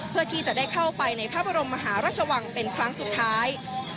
เพื่อที่จะได้เข้าไปในพระบรมมหาราชวังเป็นครั้งสุดท้าย